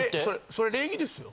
それ礼儀ですよ。